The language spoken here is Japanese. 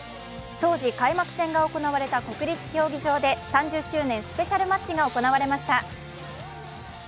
当時、開幕戦が行われた国立競技場で３０周年スペシャルマッチが行われました。